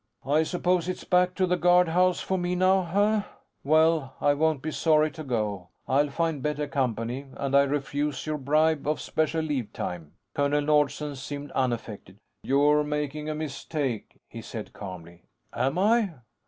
"I suppose it's back to the guardhouse for me now, huh? Well, I won't be sorry to go. I'll find better company. And I refuse your bribe of special leave time." Colonel Nordsen seemed unaffected. "You're making a mistake," he said, calmly. "Am I?"